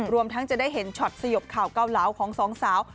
รวมทั้งจะได้เห็นช็อตสยบข่าวเกาเหลาของสองสาว